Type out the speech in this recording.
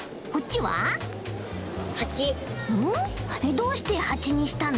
どうしてハチにしたの？